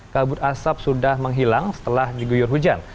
kabut asap sudah menghilang setelah diguyur hujan